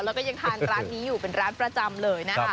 แล้วก็ยังทานร้านนี้อยู่เป็นร้านประจำเลยนะคะ